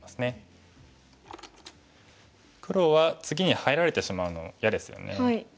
黒は次に入られてしまうのは嫌ですよね。